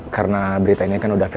karena berita ini kan udah finisik